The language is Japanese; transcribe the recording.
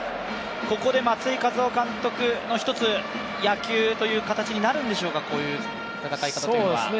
ここで松井稼頭央監督の野球という形に１つなるんでしょうか、戦い方というのは。